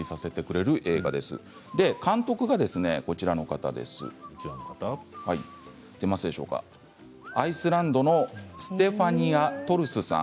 監督がアイスランドのステファニア・トルスさん。